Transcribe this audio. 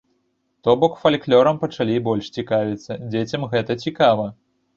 То бок фальклёрам пачалі больш цікавіцца, дзецям гэта цікава.